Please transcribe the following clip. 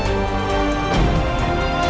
tuh cantik banget